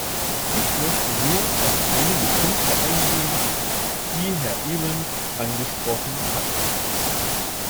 Ich möchte nur auf einige Punkte eingehen, die Herr Evans angesprochen hat.